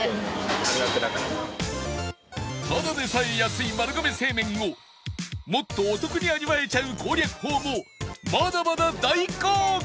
ただでさえ安い丸亀製麺をもっとお得に味わえちゃう攻略法もまだまだ大公開！